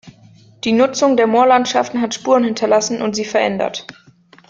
Die Nutzung der Moorlandschaften hat Spuren hinterlassen und sie verändert.